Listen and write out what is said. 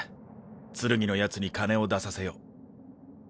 ツルギのヤツに金を出させよう。